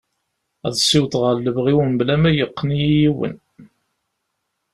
Ad siwḍeɣ ɣer lebɣi-w mebla ma yeqqen-iyi yiwen.